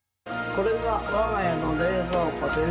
これが我が家の冷蔵庫です。